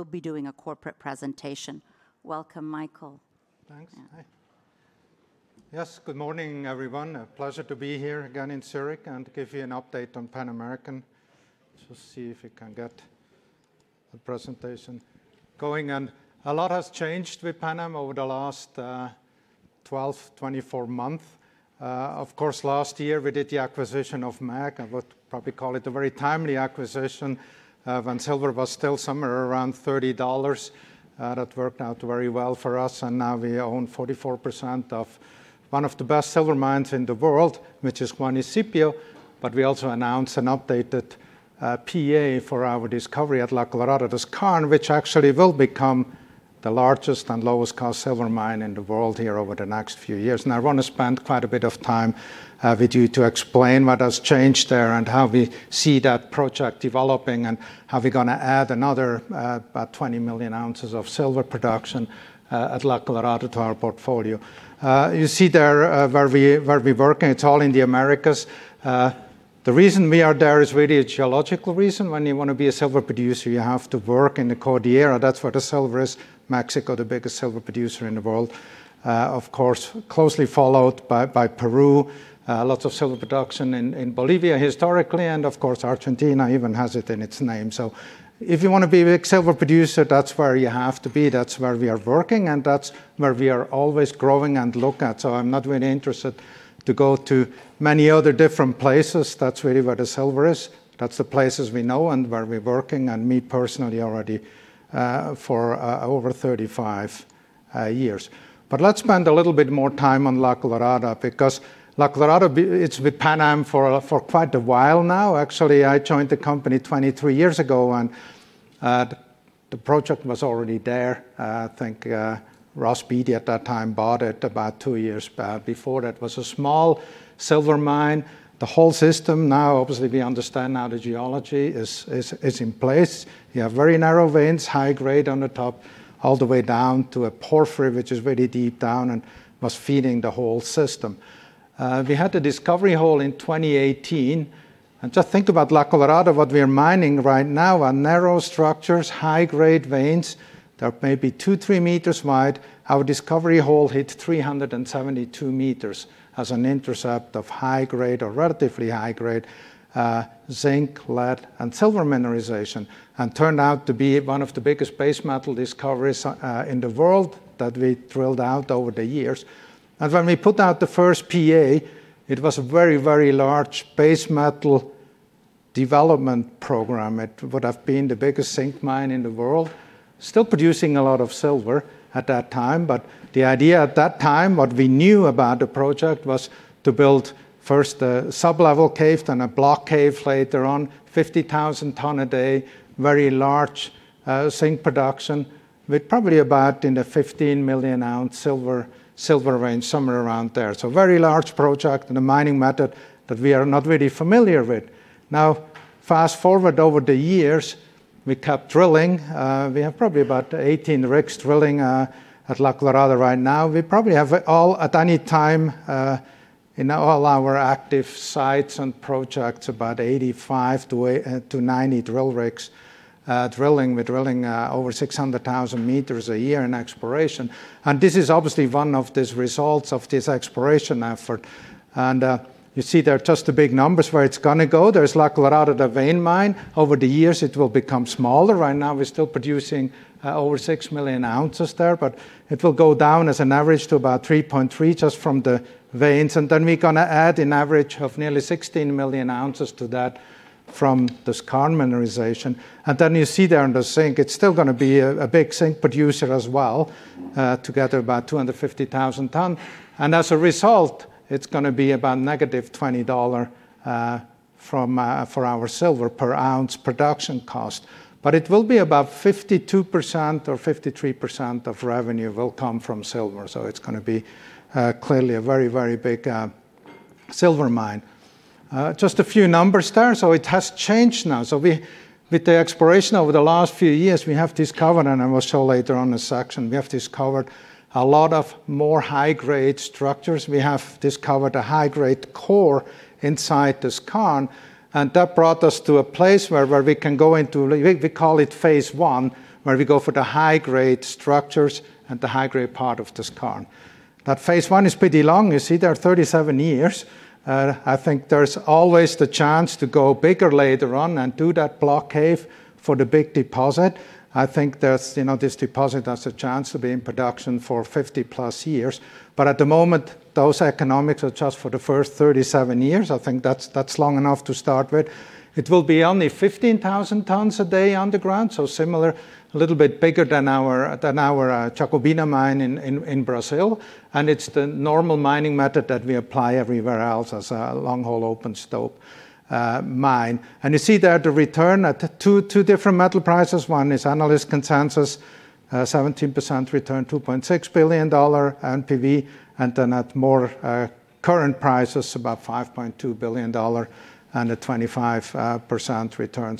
We will be doing a corporate presentation. Welcome, Michael Steinmann. Thanks. Hi. Yes, good morning, everyone. A pleasure to be here again in Zurich and give you an update on Pan American. Just see if we can get the presentation going. And a lot has changed with Pan Am over the last 12, 24 months. Of course, last year we did the acquisition of MAG, and would probably call it a very timely acquisition when silver was still somewhere around $30. That worked out very well for us, and now we own 44% of one of the best silver mines in the world, which is Juanicipio. But we also announced an updated PEA for our discovery at La Colorada skarn, which actually will become the largest and lowest-cost silver mine in the world here over the next few years. I want to spend quite a bit of time with you to explain what has changed there and how we see that project developing and how we're going to add another about 20 million oz of silver production at La Colorada to our portfolio. You see there where we're working, it's all in the Americas. The reason we are there is really a geological reason. When you want to be a silver producer, you have to work in the Cordillera. That's where the silver is. Mexico, the biggest silver producer in the world, of course, closely followed by Peru. Lots of silver production in Bolivia historically, and of course, Argentina even has it in its name. If you want to be a big silver producer, that's where you have to be, that's where we are working, and that's where we are always growing and look at. I'm not really interested to go to many other different places. That's really where the silver is. That's the places we know and where we're working, and me personally already for over 35 years. Let's spend a little bit more time on La Colorada, because La Colorada, it's with Pan Am for quite a while now. Actually, I joined the company 23 years ago, and the project was already there. I think Ross Beaty at that time bought it about two years before that. It was a small silver mine. The whole system now, obviously, we understand now the geology is in place. You have very narrow veins, high grade on the top, all the way down to a porphyry, which is very deep down and was feeding the whole system. We had the discovery hole in 2018. Just think about La Colorada, what we are mining right now are narrow structures, high-grade veins that may be two, three meters wide. Our discovery hole hit 372 m as an intercept of high-grade or relatively high-grade zinc, lead, and silver mineralization, and turned out to be one of the biggest base metal discoveries in the world that we drilled out over the years. When we put out the first PEA, it was a very, very large base metal development program. It would have been the biggest zinc mine in the world, still producing a lot of silver at that time, but the idea at that time, what we knew about the project was to build first a sub-level cave, then a block cave later on, 50,000 tons a day, very large zinc production with probably about in the 15 million oz silver range, somewhere around there. Very large project and a mining method that we are not really familiar with. Now, fast-forward over the years, we kept drilling. We have probably about 18 rigs drilling at La Colorada right now. We probably have all at any time, in all our active sites and projects, about 85-90 drill rigs drilling. We're drilling over 600,000 m a year in exploration. This is obviously one of these results of this exploration effort. You see there just the big numbers where it's going to go. There's La Colorada the vein mine. Over the years, it will become smaller. Right now, we're still producing over 6 million oz there, but it will go down as an average to about 3.3 just from the veins. We're going to add an average of nearly 16 million oz to that from the skarn mineralization. And then you see there on the zinc, it's still going to be a big zinc producer as well, together about 250,000 ton. And as a result, it's going to be about -$20 for our silver per ounce production cost. But it will be about 52% or 53% of revenue will come from silver. So it's going to be clearly a very, very big silver mine. Just a few numbers there. So it has changed now. So with the exploration over the last few years, we have discovered, and I will show later on this section, we have discovered a lot of more high-grade structures. We have discovered a high-grade core inside the skarn, and that brought us to a place where we can go into, we call it phase I, where we go for the high-grade structures and the high-grade part of the skarn. That phase I is pretty long. You see there, 37 years. I think there's always the chance to go bigger later on and do that block cave for the big deposit. I think this deposit has a chance to be in production for 50+ years. At the moment, those economics are just for the first 37 years. I think that's long enough to start with. It will be only 15,000 tons a day underground, so similar, a little bit bigger than our Jacobina mine in Brazil, and it's the normal mining method that we apply everywhere else as a longhole open stope mine. You see there the return at two different metal prices. One is analyst consensus, 17% return, $2.6 billion NPV, and then at more current prices, about $5.2 billion and a 25% return.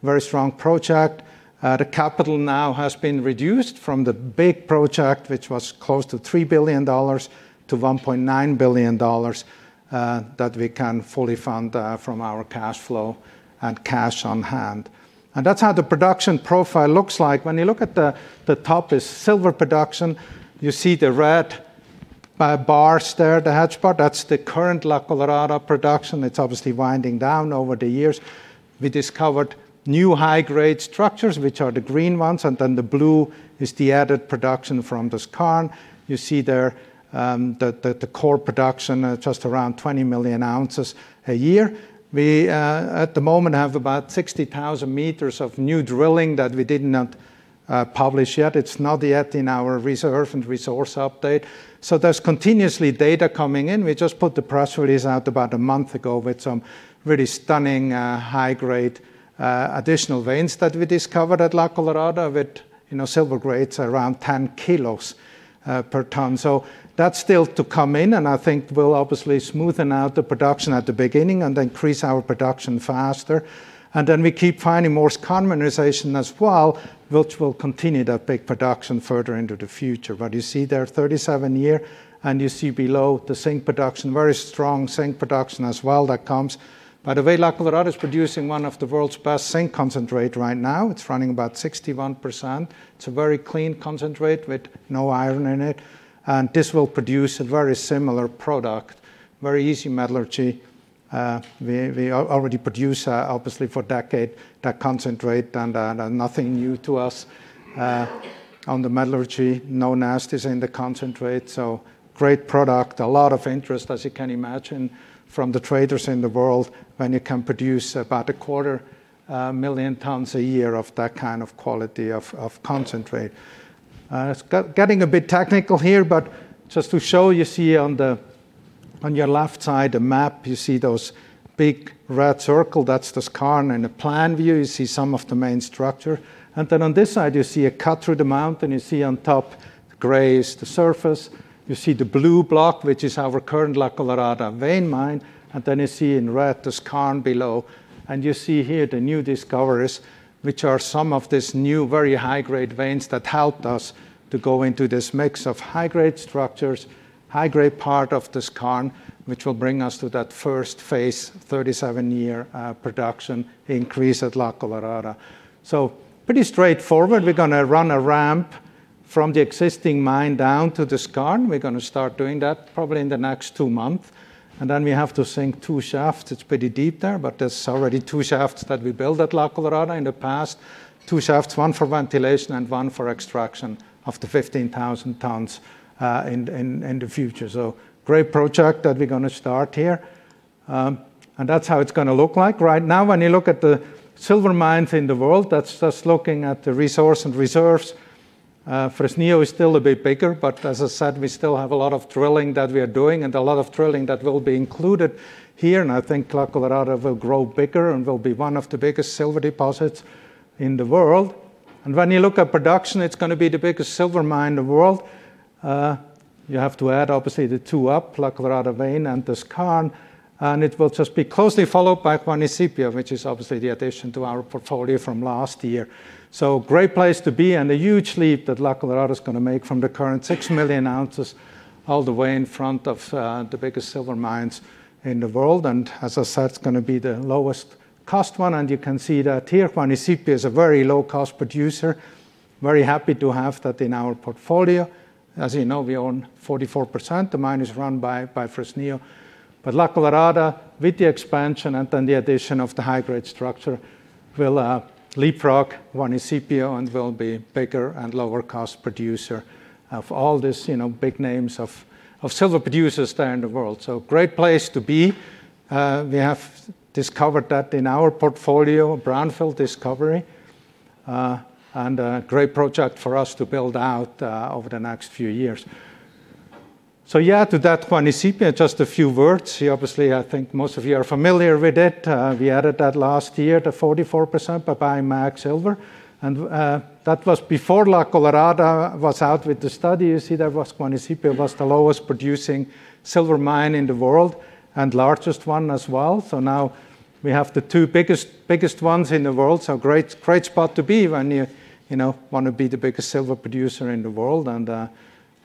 Very strong project. The capital now has been reduced from the big project, which was close to $3 billion to $1.9 billion that we can fully fund from our cash flow and cash on hand. That's how the production profile looks like. When you look at the top is silver production. You see the red bars there at the each bar, that's the current La Colorada production. It's obviously winding down over the years. We discovered new high-grade structures, which are the green ones, and then the blue is the added production from the skarn. You see there that the core production, just around 20 million oz a year. We, at the moment, have about 60,000 m of new drilling that we did not publish yet. It's not yet in our reserve and resource update. There's continuously data coming in. We just put the press release out about a month ago with some really stunning high-grade additional veins that we discovered at La Colorada with silver grades around 10 kilos per ton. That's still to come in, and I think will obviously smoothen out the production at the beginning and increase our production faster. We keep finding more skarn mineralization as well, which will continue that big production further into the future. You see there, 37 year, and you see below the zinc production, very strong zinc production as well that comes. By the way, La Colorada is producing one of the world's best zinc concentrate right now. It's running about 61%. It's a very clean concentrate with no iron in it. This will produce a very similar product, very easy metallurgy. We already produce obviously for decades that concentrate and nothing new to us on the metallurgy, no nasties in the concentrate. Great product. A lot of interest, as you can imagine, from the traders in the world when you can produce about a 1/4 million tons a year of that kind of quality of concentrate. It's getting a bit technical here, but just to show, you see on your left side a map. You see those big red circles, that's the skarn. In a plan view, you see some of the main structures. On this side, you see a cut through the mountain. You see on top, gray is the surface. You see the blue block, which is our current La Colorada vein mine. You see in red the skarn below. You see here the new discoveries, which are some of these new very high-grade veins that helped us to go into this mix of high-grade structures, high-grade part of the skarn, which will bring us to that first phase 37-year production increase at La Colorada. Pretty straightforward. We're going to run a ramp from the existing mine down to the skarn. We're going to start doing that probably in the next two month. We have to sink two shafts. It's pretty deep there, but there's already two shafts that we built at La Colorada in the past. Two shafts, one for ventilation and one for extraction of the 15,000 tons in the future. Great project that we're going to start here. That's how it's going to look like. Right now when you look at the silver mines in the world, that's just looking at the resource and reserves. Fresnillo is still a bit bigger, but as I said, we still have a lot of drilling that we are doing and a lot of drilling that will be included here. I think La Colorada will grow bigger and will be one of the biggest silver deposits in the world. When you look at production, it's going to be the biggest silver mine in the world. You have to add, obviously, the two up, La Colorada vein and the skarn, and it will just be closely followed by Juanicipio, which is obviously the addition to our portfolio from last year. Great place to be and a huge leap that La Colorada is going to make from the current 6 million oz all the way in front of the biggest silver mines in the world. As I said, it's going to be the lowest cost one, and you can see that here. Juanicipio is a very low-cost producer. Very happy to have that in our portfolio. As you know, we own 44%. The mine is run by Fresnillo. La Colorada, with the expansion and then the addition of the high-grade structure, will leapfrog Juanicipio and will be bigger and lower cost producer of all these big names of silver producers there in the world. Great place to be. We have discovered that in our portfolio, brownfield discovery, and a great project for us to build out over the next few years. Yeah, to that Juanicipio, just a few words. Obviously, I think most of you are familiar with it. We added that last year, the 44%, by buying MAG Silver. That was before La Colorada was out with the study. You see that Juanicipio was the lowest producing silver mine in the world and largest one as well. Now we have the two biggest ones in the world. Great spot to be when you want to be the biggest silver producer in the world.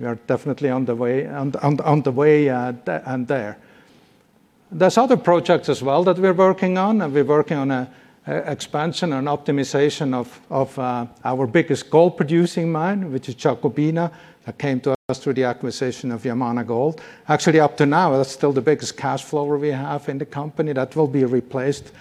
We are definitely on the way and there. There's other projects as well that we're working on, and we're working on expansion and optimization of our biggest gold-producing mine, which is Jacobina. That came to us through the acquisition of Yamana Gold. Actually, up to now, that's still the biggest cash flow we have in the company. That will be replaced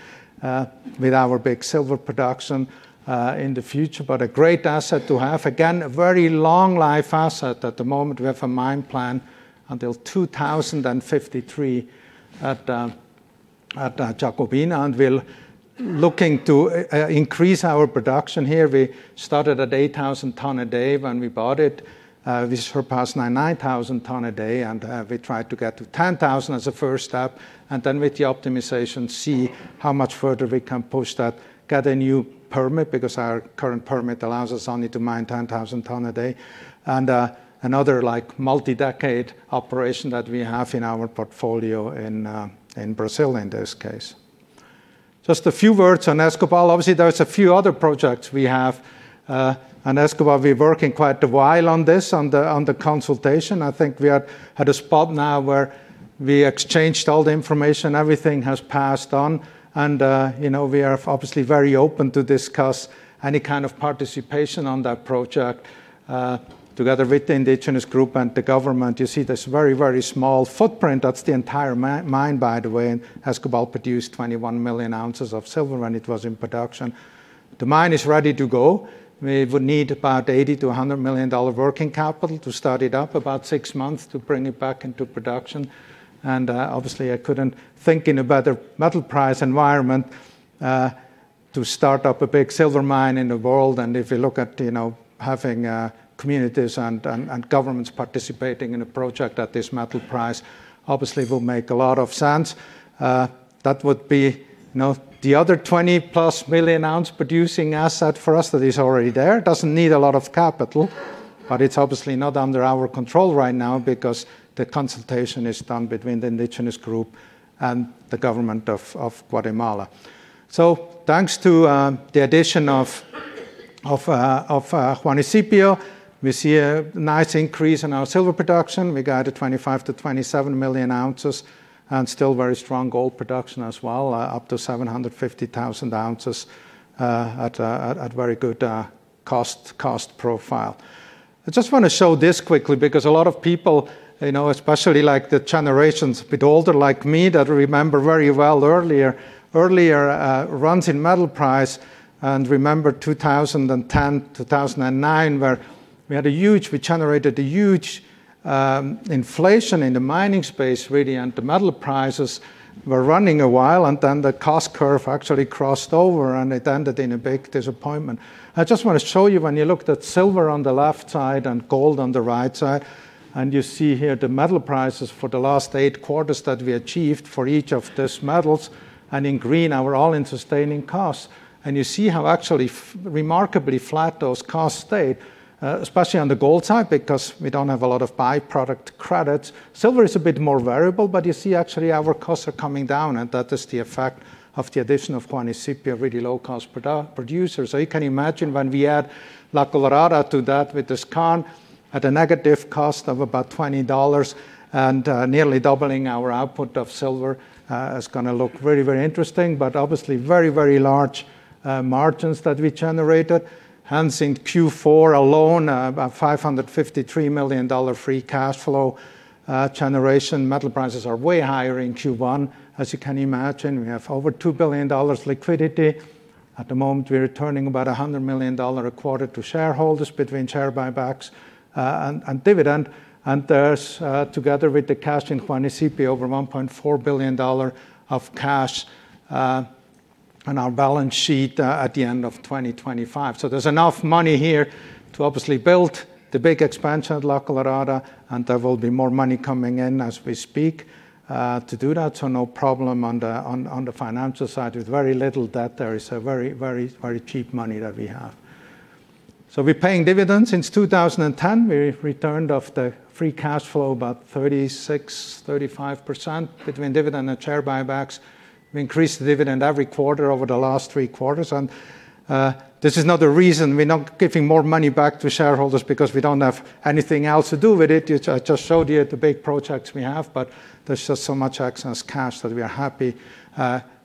with our big silver production in the future, but a great asset to have. Again, a very long-life asset. At the moment, we have a mine plan until 2053 at Jacobina, and we're looking to increase our production here. We started at 8,000 tons a day when we bought it. We surpassed 9,000 tons a day, and we try to get to 10,000 tons as a first step, and then with the optimization, see how much further we can push that. Get a new permit, because our current permit allows us only to mine 10,000 tons a day. Another multi-decade operation that we have in our portfolio in Brazil, in this case. Just a few words on Escobal. Obviously, there's a few other projects we have on Escobal. We're working quite a while on this, on the consultation. I think we are at a spot now where we exchanged all the information, everything has passed on and we are obviously very open to discuss any kind of participation on that project, together with the indigenous group and the government. You see this very, very small footprint. That's the entire mine, by the way, and Escobal produced 21 million oz of silver when it was in production. The mine is ready to go. We would need about $80 million-$100 million working capital to start it up, about six months to bring it back into production. Obviously I couldn't think in a better metal price environment, to start up a big silver mine in the world. If you look at having communities and governments participating in a project at this metal price, obviously it will make a lot of sense. That would be the other 20+ million-oz producing asset for us that is already there. It doesn't need a lot of capital, but it's obviously not under our control right now because the consultation is done between the Indigenous group and the Government of Guatemala. Thanks to the addition of Juanicipio, we see a nice increase in our silver production. We guided 25 million oz-27 million oz and still very strong gold production as well, up to 750,000 oz at very good cost profile. I just want to show this quickly because a lot of people, especially the generations a bit older, like me, that remember very well earlier runs in metal prices and remember 2010, 2009, where we generated a huge inflation in the mining space, really. The metal prices were running wild, and the cost curve actually crossed over and it ended in a big disappointment. I just want to show you when you look at silver on the left side and gold on the right side. You see here the metal prices for the last eight quarters that we achieved for each of these metals, and in green, our all-in sustaining costs. You see how actually remarkably flat those costs stay, especially on the gold side, because we don't have a lot of by-product credits. Silver is a bit more variable, but you see actually our costs are coming down, and that is the effect of the addition of Juanicipio, a really low-cost producer. You can imagine when we add La Colorada to that with discount at a negative cost of about $20 and nearly doubling our output of silver is going to look very, very interesting, but obviously very, very large margins that we generated hence in Q4 alone, about $553 million free cash flow generation. Metal prices are way higher in Q1. As you can imagine, we have over $2 billion liquidity. At the moment, we're returning about $100 million a quarter to shareholders between share buybacks and dividend. There's, together with the cash in Juanicipio, over $1.4 billion of cash on our balance sheet at the end of 2025. There's enough money here to obviously build the big expansion at La Colorada, and there will be more money coming in as we speak to do that. No problem on the financial side. With very little debt, there is a very cheap money that we have. We're paying dividends. Since 2010, we've returned of the free cash flow about 36%, 35% between dividend and share buybacks. We increased the dividend every quarter over the last three quarters. This is not the reason we're not giving more money back to shareholders because we don't have anything else to do with it. I just showed you the big projects we have, but there's just so much excess cash that we are happy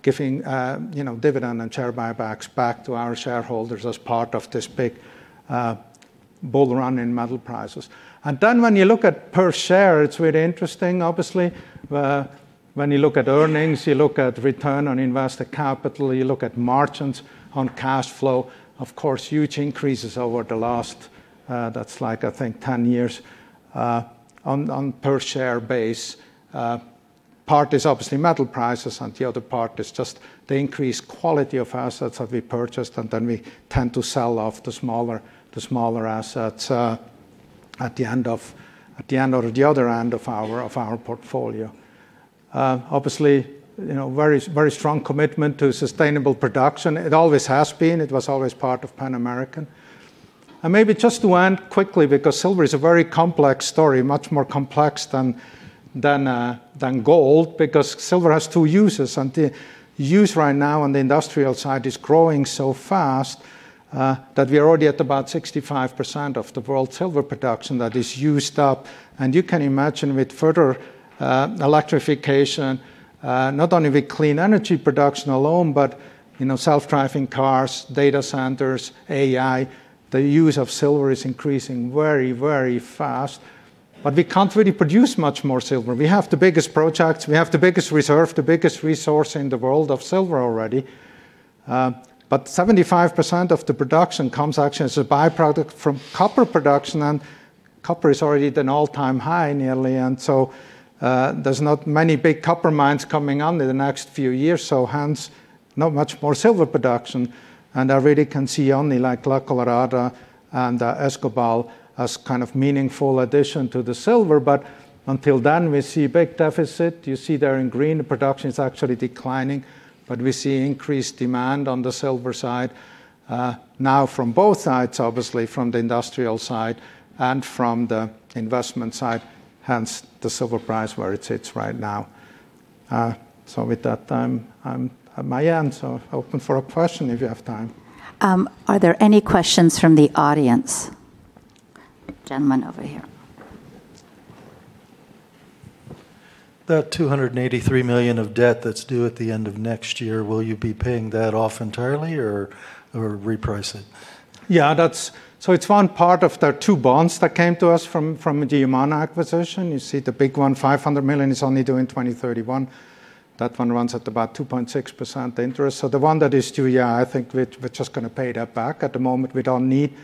giving dividend and share buybacks back to our shareholders as part of this big bull run in metal prices. When you look at per share, it's really interesting obviously. When you look at earnings, you look at return on invested capital, you look at margins on cash flow. Of course, huge increases over the last, that's I think 10 years, on per share base. Part is obviously metal prices, and the other part is just the increased quality of assets that we purchased, and then we tend to sell off the smaller assets at the end or the other end of our portfolio. Obviously, very strong commitment to sustainable production. It always has been. It was always part of Pan American. Maybe just to end quickly, because silver is a very complex story, much more complex than gold, because silver has two uses, and the use right now on the industrial side is growing so fast, that we are already at about 65% of the world's silver production that is used up. You can imagine with further electrification, not only with clean energy production alone, but self-driving cars, data centers, AI, the use of silver is increasing very, very fast. We can't really produce much more silver. We have the biggest projects, we have the biggest reserve, the biggest resource in the world of silver already. 75% of the production comes actually as a by-product from copper production. Copper is already at an all-time high nearly, and so there's not many big copper mines coming on in the next few years, so hence not much more silver production. I really can see only La Colorada and Escobal as kind of meaningful addition to the silver. Until then we see big deficit. You see there in green, production is actually declining, but we see increased demand on the silver side, now from both sides, obviously from the industrial side and from the investment side, hence the silver price where it sits right now. With that, I'm at my end, so open for a question if you have time. Are there any questions from the audience? Gentleman over here. That $283 million of debt that's due at the end of next year, will you be paying that off entirely or reprice it? Yeah. It's one part of the two bonds that came to us from the Yamana acquisition. You see the big one, $500 million, is only due in 2031. That one runs at about 2.6% interest. The one that is due, yeah, I think we're just going to pay that back. At the moment, we don't need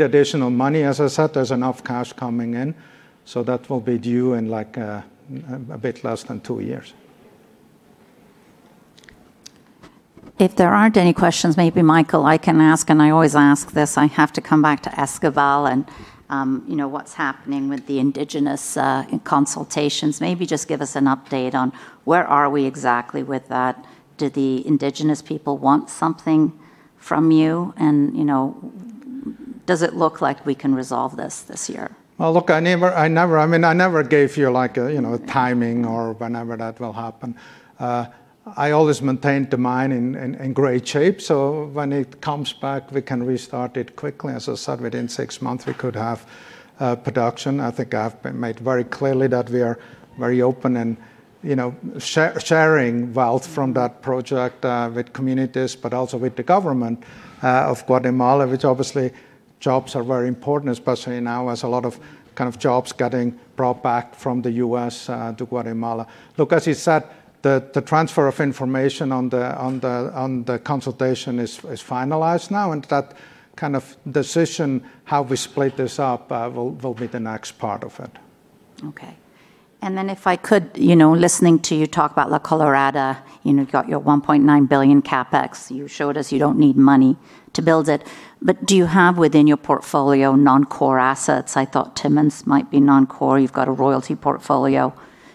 additional money. As I said, there's enough cash coming in, so that will be due in a bit less than two years. If there aren't any questions, maybe Michael, I can ask, and I always ask this. I have to come back to Escobal and what's happening with the indigenous consultations. Maybe just give us an update on where are we exactly with that. Do the indigenous people want something from you? Does it look like we can resolve this this year? Well, look, I never gave you a timing or whenever that will happen. I always maintained the mine in great shape, so when it comes back, we can restart it quickly. As I said, within six months, we could have production. I think I've made very clearly that we are very open and sharing wealth from that project with communities, but also with the government of Guatemala, which obviously jobs are very important, especially now as a lot of jobs getting brought back from the U.S. to Guatemala. Look, as I said, the transfer of information on the consultation is finalized now, and that decision, how we split this up, will be the next part of it. Okay. If I could, listening to you talk about La Colorada, you got your $1.9 billion CapEx. You showed us you don't need money to build it. Do you have within your portfolio non-core assets? I thought Timmins might be non-core. You've got a royalty portfolio.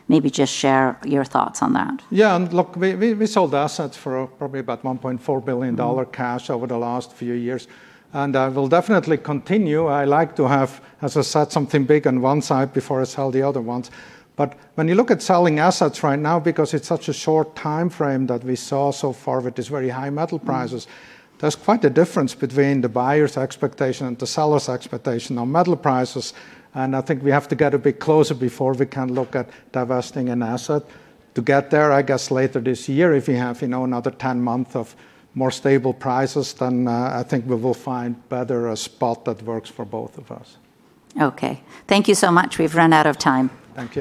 Maybe just share your thoughts on that. Yeah. Look, we sold assets for probably about $1.4 billion cash over the last few years, and I will definitely continue. I like to have, as I said, something big on one side before I sell the other ones. When you look at selling assets right now, because it's such a short time frame that we saw so far with these very high metal prices, there's quite a difference between the buyer's expectation and the seller's expectation on metal prices. I think we have to get a bit closer before we can look at divesting an asset. To get there, I guess, later this year, if we have another 10 months of more stable prices, then I think we will find better a spot that works for both of us. Okay. Thank you so much. We've run out of time. Thank you.